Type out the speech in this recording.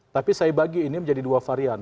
tapi saya bagi ini menjadi dua varian